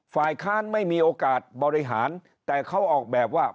ฝ่ายค้านไม่มีโอกาสบริหารแต่เขาออกแบบว่า